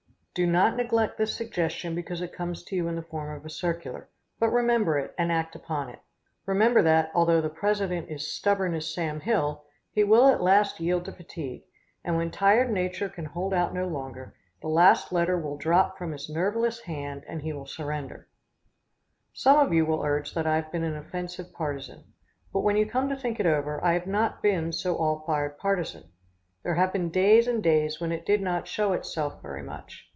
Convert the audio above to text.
Do not neglect this suggestion because it comes to you in the form of a circular, but remember it and act upon it. Remember that, although the president is stubborn as Sam Hill, he will at last yield to fatigue, and when tired nature can hold out no longer, the last letter will drop from his nerveless hand and he will surrender. [Illustration: NURSING THE FIERY STEED.] Some of you will urge that I have been an offensive partisan, but when you come to think it over I have not been so all fired partisan. There have been days and days when it did not show itself very much.